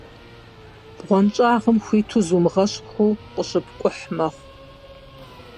БгъуэнщӀагъым хуиту, зумыгъэщхъыу къыщыпкӀухь мэхъу.